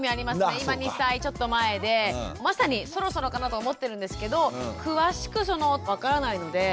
今２歳ちょっと前でまさにそろそろかなと思ってるんですけど詳しくその分からないので今日はね